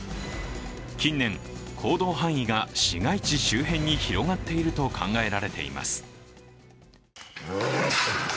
近年、行動範囲が市街地周辺に広がっていると考えられています。